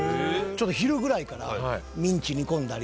ちょっと昼ぐらいからミンチ煮込んだり。